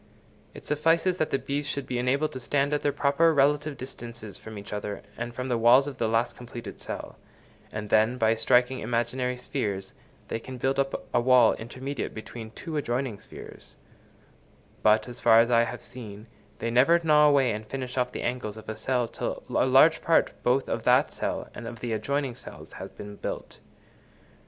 It suffices that the bees should be enabled to stand at their proper relative distances from each other and from the walls of the last completed cells, and then, by striking imaginary spheres, they can build up a wall intermediate between two adjoining spheres; but, as far as I have seen, they never gnaw away and finish off the angles of a cell till a large part both of that cell and of the adjoining cells has been built.